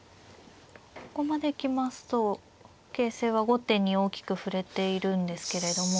ここまで来ますと形勢は後手に大きく振れているんですけれども。